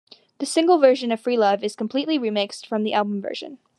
The single version of "Freelove" is completely remixed from the album version.